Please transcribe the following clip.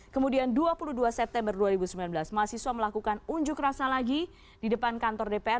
kemudian dua puluh dua september dua ribu sembilan belas mahasiswa melakukan unjuk rasa lagi di depan kantor dpr